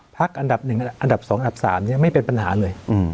อันดับ๑อันดับ๒อันดับ๓ไม่เป็นปัญหาเลย